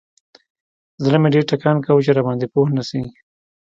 زړه مې ډېر ټکان کاوه چې راباندې پوه نسي.